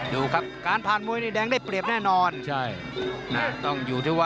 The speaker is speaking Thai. ดูครับการผ่านมวยดีแต่น่าก็ได้เปรียบแน่นอน